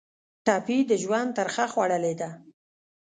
ټپي د ژوند ترخه خوړلې ده.